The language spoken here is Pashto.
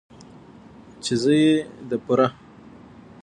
،چې زه يې د پوره